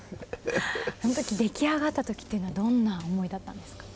その時出来上がった時っていうのはどんな思いだったんですか？